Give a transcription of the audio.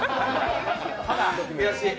悔しい。